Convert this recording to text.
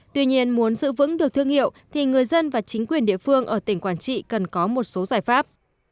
tuy nhiên muốn giữ vững được thương hiệu thì người dân và chính quyền địa phương ở tỉnh quảng trị cần có một số giải pháp